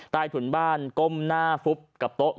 ถุนบ้านก้มหน้าฟุบกับโต๊ะ